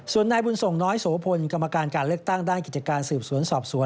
ส่วนนายบุญส่งน้อยโสพลกรรมการการเลือกตั้งด้านกิจการสืบสวนสอบสวน